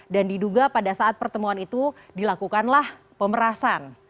dan diduga pada saat pertemuan itu dilakukanlah pemerasan